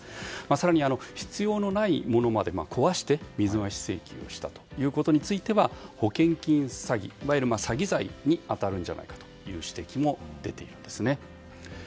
更に、必要のないものまで壊して、水増し請求をしたということについては保険金詐欺、いわゆる詐欺罪に当たるんじゃないかという指摘も出ているんです。